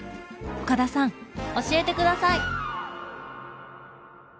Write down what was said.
岡田さん教えて下さい！